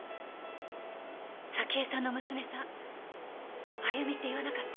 沙希江さんの娘さん亜由美って言わなかった？